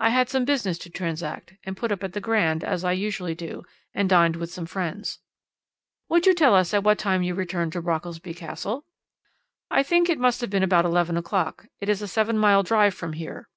I had some business to transact, and put up at the Grand, as I usually do, and dined with some friends.' "'Would you tell us at what time you returned to Brockelsby Castle?' "'I think it must have been about eleven o'clock. It is a seven mile drive from here.'